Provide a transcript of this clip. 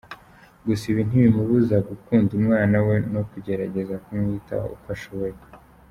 Gusa ibi ntibimubuza gukunda umwana we no kugerageza kumwitaho uko ashoboye.